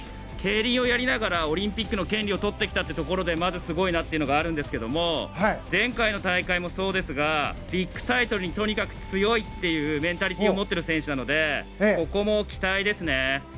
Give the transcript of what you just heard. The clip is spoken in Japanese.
競輪をやりながらオリンピックの権利をとってきたというところでまずすごいなというのがあるんですが前回の大会もそうですがビッグタイトルにとにかく強いというメンタリティーを持っている選手なのでここも期待ですね。